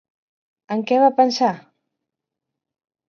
En què va pensar?